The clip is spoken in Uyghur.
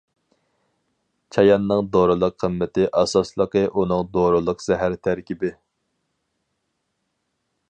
چاياننىڭ دورىلىق قىممىتى ئاساسلىقى ئۇنىڭ دورىلىق زەھەر تەركىبى.